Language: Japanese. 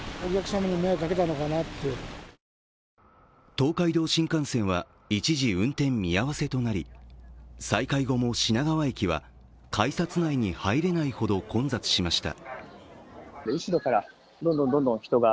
東海道新幹線は一時運転見合わせとなり再開後も品川駅は改札内に入れないほど混雑しました。